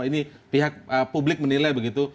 ini pihak publik menilai begitu